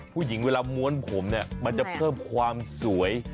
ผู้หญิงเวลาม้วนผมเนี่ยมันจะเพิ่มความสวย